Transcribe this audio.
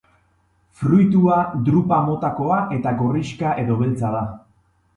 Fruitua drupa-motakoa eta gorrixka edo beltza da.